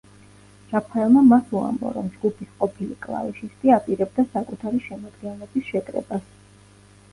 რაფაელმა მას უამბო, რომ ჯგუფის ყოფილი კლავიშისტი აპირებდა საკუთარი შემადგენლობის შეკრებას.